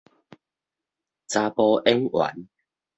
查埔演員